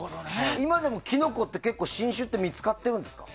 今でもキノコって新種は見つかってるんですか？